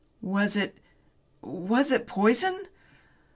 "Was it was it poison?"